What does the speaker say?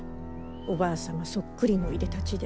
おばあ様そっくりのいでたちで。